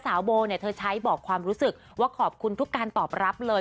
โบเนี่ยเธอใช้บอกความรู้สึกว่าขอบคุณทุกการตอบรับเลย